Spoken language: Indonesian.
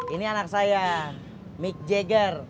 ini anak saya mick jagger